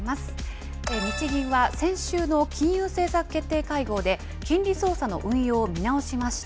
日銀は先週の金融政策決定会合で、金利操作の運用を見直しました。